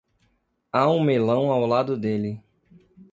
Há um melão ao lado dele.